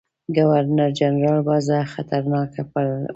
ګورنرجنرال وضع خطرناکه وبلله.